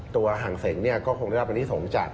ตัวหังเส็งก็คงได้รับพนิทของจาก